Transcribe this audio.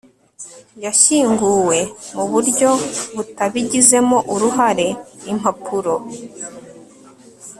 yashyinguwe muburyo butabigizemo uruhare, impapuro